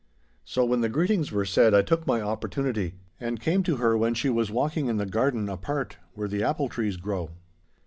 So, when the greetings were said, I took my opportunity and came to her when she was walking in the garden apart, where the apple trees grow.